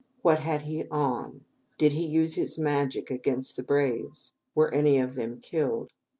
What had he on? Did he use his magic against the braves? Were any of them killed?